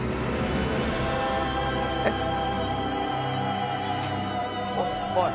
えっ？おおい！